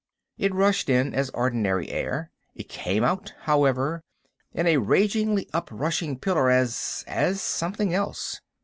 It rushed in as ordinary air. It came out, however, in a ragingly uprushing pillar, as—as something else.